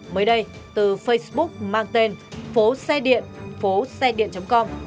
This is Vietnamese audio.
mới đây từ facebook mang tên phố xe điện phố xe điện com